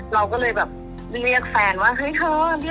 เราก็เลยแบบเรียกแฟนว่าเฮ้ยเธอ